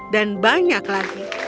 dan banyak lagi